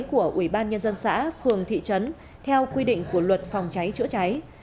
của ủy ban nhân dân xã phường thị trấn theo quy định của luật phòng cháy chữa cháy